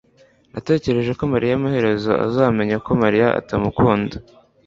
Natekereje ko mariya amaherezo azamenya ko Mariya atamukunda